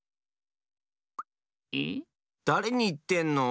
だれにいってんの？